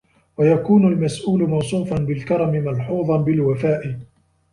وَيَكُونُ الْمَسْئُولُ مَوْصُوفًا بِالْكَرَمِ مَلْحُوظًا بِالْوَفَاءِ